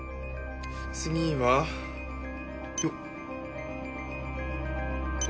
次はよっ。